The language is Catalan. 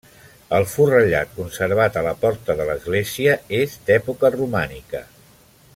El forrellat conservat a la porta de l'església és d'època romànica.